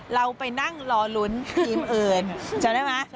เราไปนั่งรอลุ้นทีมอื่นจำได้ไหม